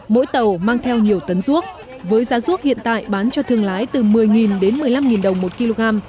mỗi tàu mang theo nhiều tấn ruốc với giá ruốc hiện tại bán cho thương lái từ một mươi đến một mươi năm đồng một kg